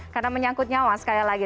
karena menyangkut nyawa sekali lagi